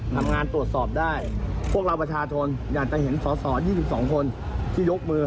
อย่างนี้ที่ฉันต้องพิเศษแบบนี้ก่อน